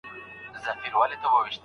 آیا میل تر کیلومتر اوږد دی؟